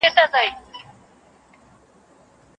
نو ستا لیکنه معیاري ده.